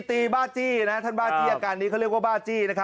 บ้าจี้นะท่านบ้าจี้อาการนี้เขาเรียกว่าบ้าจี้